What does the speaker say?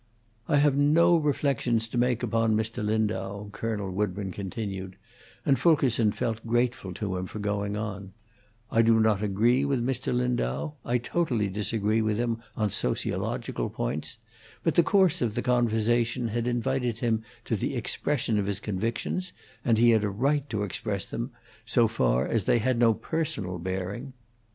"I have no reflections to make upon Mr. Landau," Colonel Woodburn continued, and Fulkerson felt grateful to him for going on; "I do not agree with Mr. Lindau; I totally disagree with him on sociological points; but the course of the conversation had invited him to the expression of his convictions, and he had a right to express them, so far as they had no personal bearing."